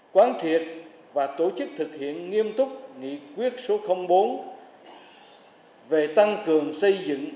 quán triệt và tổ chức thực hiện nghiêm túc nghị quyết số bốn về tăng cường xây dựng